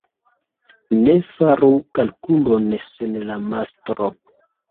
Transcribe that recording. Ne faru kalkulon sen la mastro.